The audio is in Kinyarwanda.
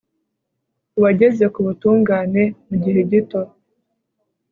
uwageze ku butungane mu gihe gito